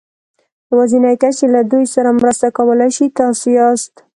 يوازېنی کس چې له دوی سره مرسته کولای شي تاسې ياست.